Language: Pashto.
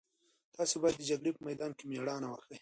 تاسو باید د جګړې په میدان کې مېړانه وښيئ.